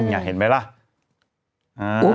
เขาก็บอกว่าวัดชีพประจอนเดียว